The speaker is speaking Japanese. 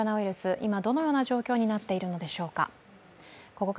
今どのような状況になっているのでしょうか。